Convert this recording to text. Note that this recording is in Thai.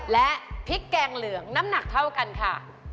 และพริกแกงเหลืองน้ำหนักเท่ากันค่ะ